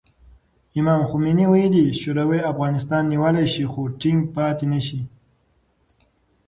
امام خمیني ویلي، شوروي افغانستان نیولی شي خو ټینګ پاتې نه شي.